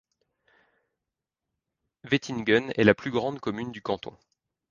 Wettingen est la plus grande commune du canton.